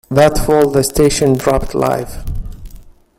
That fall, the station dropped Live!